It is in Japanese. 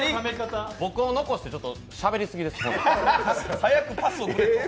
僕を残して、しゃべりすぎです。